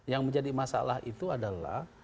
yang menjadi masalah itu adalah